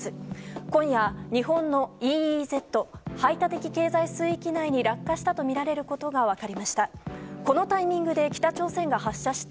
今夜、日本のＥＥＺ・排他的経済水域に落下したとみられることが分かりました。